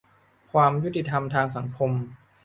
ความยุติธรรมทางสังคม